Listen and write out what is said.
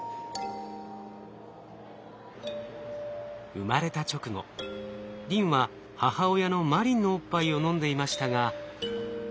生まれた直後リンは母親のマリンのおっぱいを飲んでいましたが。